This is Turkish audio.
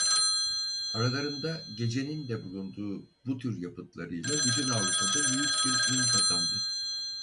Aralarında "Gece" nin de bulunduğu bu tür yapıtlarıyla bütün Avrupa'da büyük bir ün kazandı.